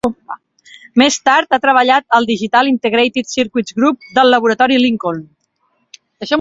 Més tard, ha treballat al Digital Integrated Circuits Group del Laboratori Lincoln.